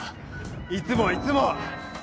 いつもいつも。